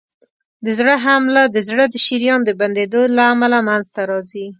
د زړه حمله د زړه د شریان د بندېدو له امله منځته راځي.